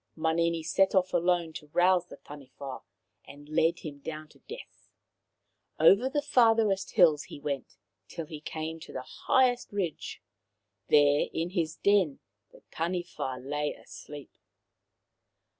Manini set off alone to rouse the Taniwha and lead him down to death. Over the farthest hills he went, till he came to the highest ridge. There in his den the Taniwha lay asleep.